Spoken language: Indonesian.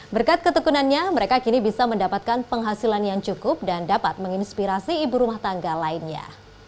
berkat ketekunannya mereka kini bisa mendapatkan penghasilan yang cukup dan dapat menginspirasi ibu rumah tangga lainnya